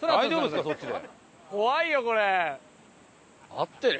合ってる？